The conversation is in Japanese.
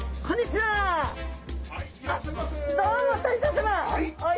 はい。